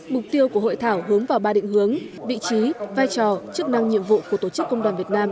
mục tiêu của hội thảo hướng vào ba định hướng vị trí vai trò chức năng nhiệm vụ của tổ chức công đoàn việt nam